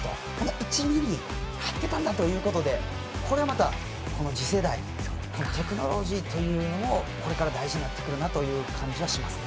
１ｍｍ入ってたんだということでこれは次世代テクノロジーというのもこれから大事になってくるなという感じはしますね。